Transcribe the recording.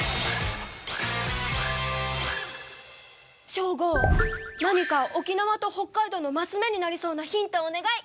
ショーゴ、何か沖縄と北海道の升目になりそうなヒントお願い！